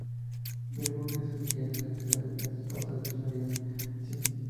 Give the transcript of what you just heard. Wilbur que es la dirigente de las diferentes partes de la totalidad de Sybil.